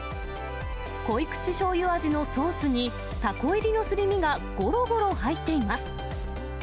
濃い口しょうゆ味のソースに、たこ入りのすり身がごろごろ入っています。